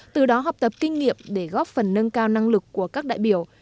từ đó học tập kinh nghiệm để góp phần nâng cao năng lực của các đại biểu